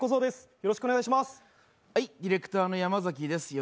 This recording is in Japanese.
よろしくお願いします。